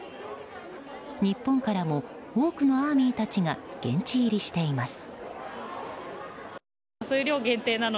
日本からも多くのＡＲＭＹたちが現地入りしています。